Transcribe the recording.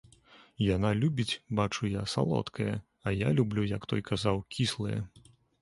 Яна любіць, бачу я, салодкае, а я люблю, як той казаў, кіслае.